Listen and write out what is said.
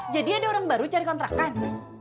jadi ada orang baru cari kontrakan